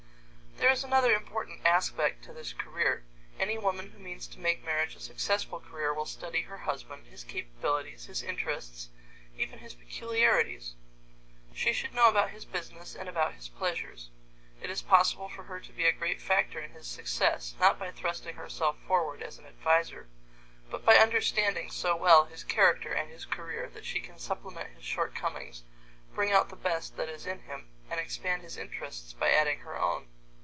There is another important aspect to this career. Any woman who means to make marriage a successful career will study her husband, his capabilities, his interests, even his peculiarities. She should know about his business and about his pleasures. It is possible for her to be a great factor in his success, not by thrusting herself forward as an advisor, but by understanding so well his character and his career that she can supplement his shortcomings, bring out the best that is in him, and expand his interests by adding her own.